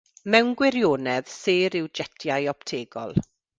Mewn gwirionedd, sêr yw jetiau optegol.